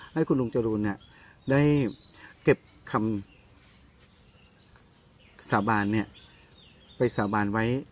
ให้คุณลุงจรูนได้เก็บคำสาบานไปสาบานไว้